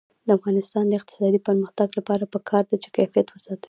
د افغانستان د اقتصادي پرمختګ لپاره پکار ده چې کیفیت وساتل شي.